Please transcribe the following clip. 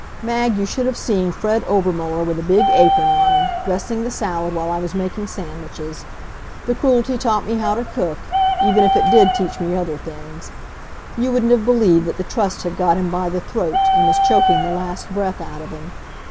Mag, you should have seen Fred Obermuller with a big apron on him, dressing the salad while I was making sandwiches. The Cruelty taught me how to cook, even if it did teach me other things. You wouldn't have believed that the Trust had got him by the throat, and was choking the last breath out of him.